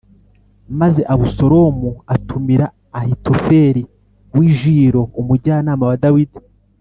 Maze Abusalomu atumira Ahitofeli w’i Gilo umujyanama wa Dawidi